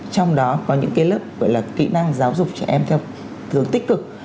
trong đó có những cái lớp gọi là kỹ năng giáo dục trẻ em theo thường tích cực